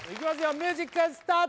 ミュージックスタート！